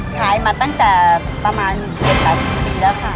ขายมาตั้งแต่ประมาณ๗๐ปีแล้วค่ะ